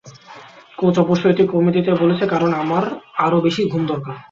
Coach অবশ্য এটা কমিয়ে দিতে বলেছে, কারণ আমার আরও বেশি ঘুম দরকার।